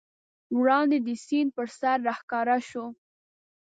وړاندې د سیند پر سر راښکاره شوه.